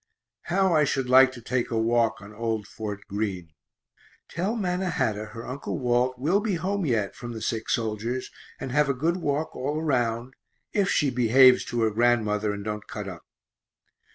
How I should like to take a walk on old Fort Greene tell Mannahatta her Uncle Walt will be home yet, from the sick soldiers, and have a good walk all around, if she behaves to her grandmother and don't cut up.